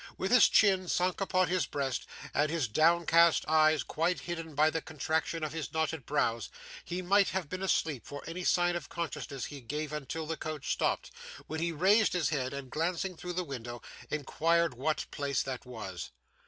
With his chin sunk upon his breast, and his downcast eyes quite hidden by the contraction of his knotted brows, he might have been asleep for any sign of consciousness he gave until the coach stopped, when he raised his head, and glancing through the window, inquired what place that was.